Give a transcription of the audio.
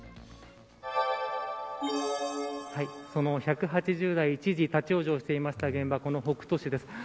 その１８０台一時立ち往生していた現場この北斗市です。